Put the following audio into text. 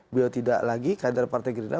beliau tidak lagi kader partai gerindra